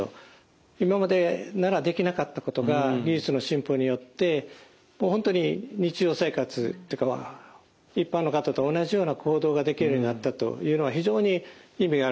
今までならできなかったことが技術の進歩によって本当に日常生活というかまあ一般の方と同じような行動ができるようになったというのは非常に意味があると思います。